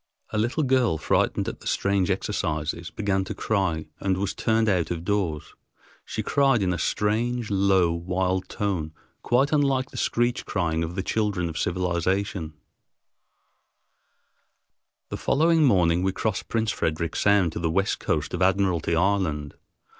A little girl, frightened at the strange exercises, began to cry and was turned out of doors. She cried in a strange, low, wild tone, quite unlike the screech crying of the children of civilization. [Illustration: Admiralty Island.] The following morning we crossed Prince Frederick Sound to the west coast of Admiralty Island.